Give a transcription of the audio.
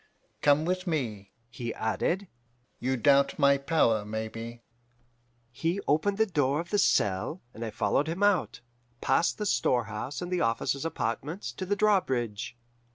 Come with me,' he added. 'You doubt my power, maybe.' "He opened the door of the cell, and I followed him out, past the storehouse and the officers' apartments, to the drawbridge.